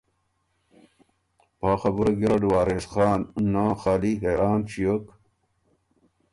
پا خبُره ګېرډ وارث نۀ خالی حېران ݭیوک